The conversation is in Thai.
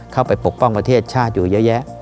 ปกป้องประเทศชาติอยู่เยอะแยะ